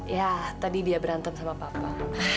ya tadi dia berantem sama papa